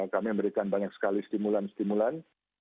kami memberikan banyak sekali stimulan stimulan